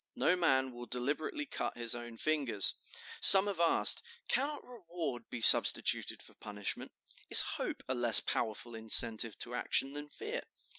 No man will deliberately cut his own fingers. Some have asked, 'Cannot reward be substituted for punishment? Is hope a less powerful incentive to action than fear?